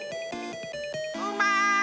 うまい！